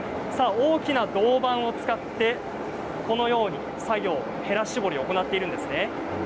大きな銅板を使ってこのように作業、へら絞りを行っています。